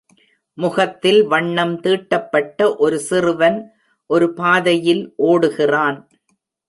முகத்தில் வண்ணம் தீட்டப்பட்ட ஒரு சிறுவன் ஒரு பாதையில் ஓடுகிறான்.